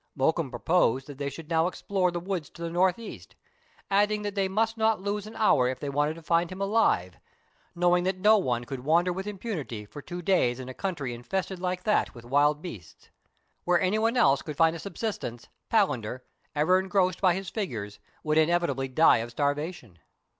Mokoum proposed that they should now explore the THREE ENGLISHMEN AND THREE RUSSIANS. lOI woods to the north east, adding that they must not lose an hour if they wanted to find him alive, knowing that no one could wander with impunity for two days in a country infested like that with wild beasts. Where any one else could find a subsistence, Palander, ever engrossed by his figures, would inevitably die of starvation.